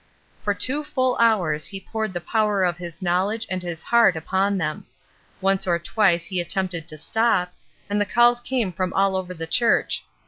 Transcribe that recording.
For two full hours he poured the power of his knowledge and his heart upon them. Once or twice he at tempted to stop, and the calls came from all over the church.